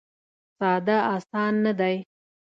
ساده اسانه نه دی.